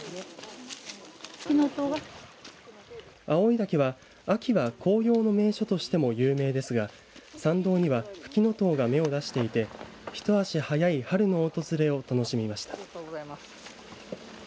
青井岳は秋は紅葉の名所としても有名ですが山道にはふきのとうが芽を出していて一足早い春の訪れを楽しみました。